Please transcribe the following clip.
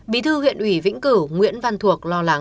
bí thư huyện ủy vĩnh cửu nguyễn văn thuộc lo lắng